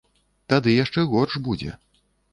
Тады яшчэ горш будзе.